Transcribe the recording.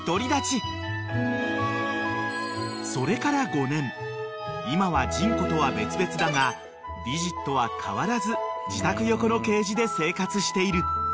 ［それから５年今はジンコとは別々だがディジットは変わらず自宅横のケージで生活している］